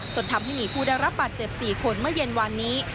จนทำให้มีผู้ได้รับบาดเจ็บ๔คนเมื่อเย็นวานนี้